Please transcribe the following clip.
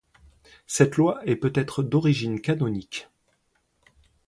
Cette loi est peut-être d'origine canonique.